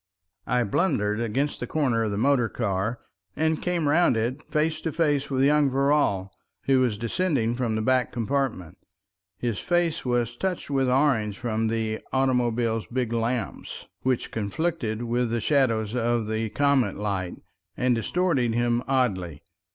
I blundered against the corner of the motor car, and came round it face to face with young Verrall, who was descending from the back compartment. His face was touched with orange from the automobile's big lamps, which conflicted with the shadows of the comet light, and distorted him oddly.